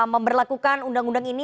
memberlakukan undang undang ini